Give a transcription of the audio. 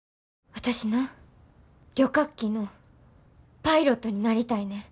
私な旅客機のパイロットになりたいねん。